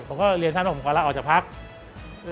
ผมก็เรียนท่านผมก็ลาออกจากภักดิ์